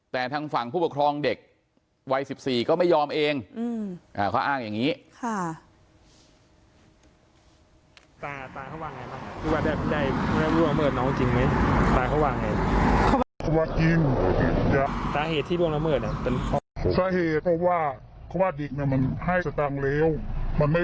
แต่ทางฝั่งผู้ปกครองเด็กวัย๑๔ก็ไม่ยอมเองเขาอ้างอย่างนี้